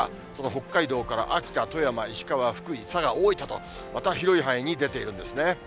北海道から秋田、富山、石川、福井、佐賀、大分と、また広い範囲に出てるんですね。